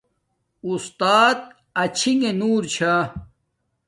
استات آچھنݣ نور چھا